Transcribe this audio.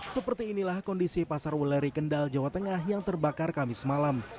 seperti inilah kondisi pasar wuleri kendal jawa tengah yang terbakar kamis malam